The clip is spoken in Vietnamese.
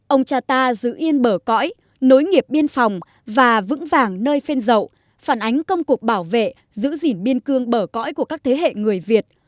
ông cha ta giữ yên bờ cõi nối nghiệp biên phòng và vững vàng nơi phên dậu phản ánh công cuộc bảo vệ giữ gìn biên cương bở cõi của các thế hệ người việt